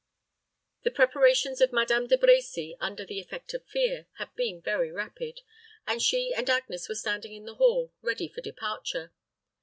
The preparations of Madame De Brecy, under the effect of fear, had been very rapid; and she and Agnes were standing in the hall, ready for departure.